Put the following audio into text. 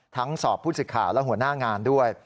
ทั้งสอบผู้ศึกข่าวและหัวหน้างานด้วย